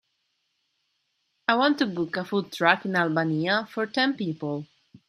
I want to book a food truck in Albania for ten people.